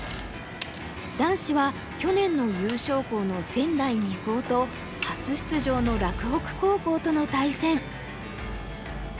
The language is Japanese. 男子は去年の優勝校の仙台二高と初出場の洛北高校との対戦。